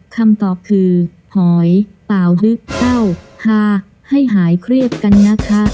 คำตอบคือหอยเปล่าลึกเข้าฮาให้หายเครียดกันนะคะ